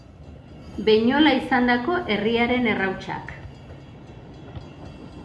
Beinhola izandako herriaren errautsak